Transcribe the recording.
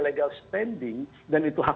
legal standing dan itu hak